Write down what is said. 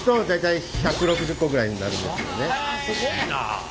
すごいな。